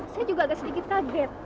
saya juga agak sedikit kaget